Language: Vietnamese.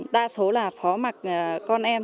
đa số là phó mặc con em